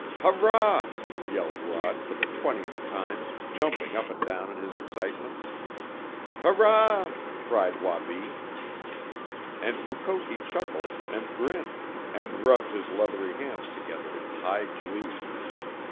"Hurrah!" yelled Rod for the twentieth time, jumping up and down in his excitement. "Hurrah!" cried Wabi. And Mukoki chuckled, and grinned, and rubbed his leathery hands together in high glee.